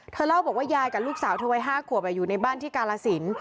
เล่าบอกว่ายายกับลูกสาวเธอวัย๕ขวบอยู่ในบ้านที่กาลสิน